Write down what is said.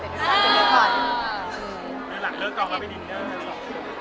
หรือหลังเลิกกองแล้วไปดินเนอร์